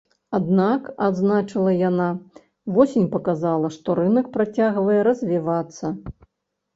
Аднак, адзначыла яна, восень паказала, што рынак працягвае развівацца.